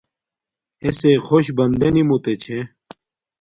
اݵسݵئ خݸش بندݺ نݵ مݸتݺ چھݺ.